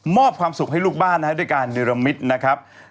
มอบความสุขให้ลูกบ้านนะฮะด้วยการเนื้อลมิตรนะครับ